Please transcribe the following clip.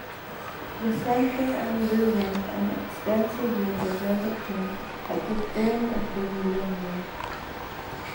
The centre underwent an extensive redevelopment at the turn of the millennium.